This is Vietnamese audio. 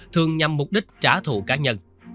thường nhằm mục đích trả thù cá nhân